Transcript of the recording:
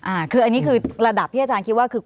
อ่าคืออันนี้คือระดับที่อาจารย์คิดว่าคือ